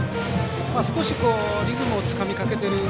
少しリズムをつかみかけてる。